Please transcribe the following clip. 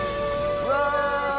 うわ！